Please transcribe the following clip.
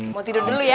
mau tidur dulu ya